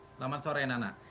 selamat sore nana